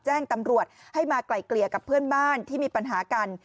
แจ้งตำรวจให้มาไกลเกลี่ยกับเพื่อนบ้านที่มีปัญหากัน